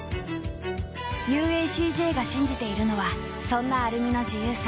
ＵＡＣＪ が信じているのはそんなアルミの自由さ。